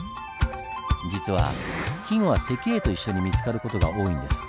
実は金は石英と一緒に見つかる事が多いんです。